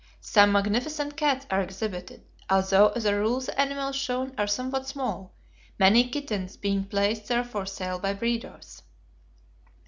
Some magnificent cats are exhibited, although as a rule the animals shown are somewhat small, many kittens being placed there for sale by breeders.